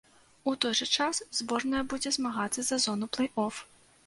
У той жа час зборная будзе змагацца за зону плэй-оф.